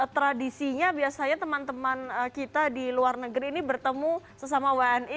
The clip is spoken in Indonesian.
tradisinya biasanya teman teman kita di luar negeri ini bertemu sesama wni